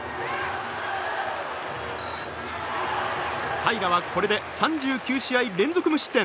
平良がこれで３９試合連続無失点。